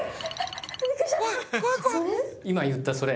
今言ったそれ！